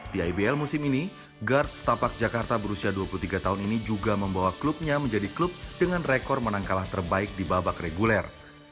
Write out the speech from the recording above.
di ibl musim ini guard setapak jakarta berusia dua puluh tiga tahun ini juga membawa klubnya menjadi klub dengan rekor menang kalah terbaik di babak reguler